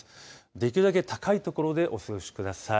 できるだけ高い所でお過ごしください。